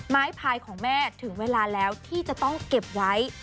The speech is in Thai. พายของแม่ถึงเวลาแล้วที่จะต้องเก็บไว้